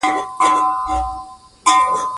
د پرېکړو روڼتیا باور زیاتوي